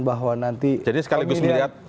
bahwa nanti pemilihan